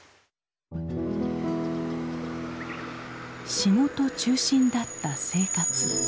仕事中心だった生活。